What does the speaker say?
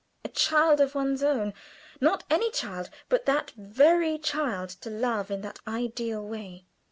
A child of one's own not any child, but that very child to love in that ideal way.